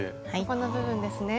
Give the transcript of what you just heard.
ここの部分ですね。